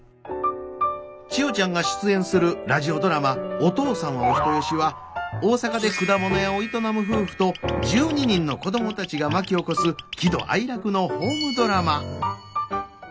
千代ちゃんが出演するラジオドラマ「お父さんはお人好し」は大阪で果物屋を営む夫婦と１２人の子供たちが巻き起こす喜怒哀楽のホームドラマ。